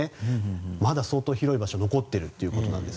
まだ相当広い場所が残っているということです。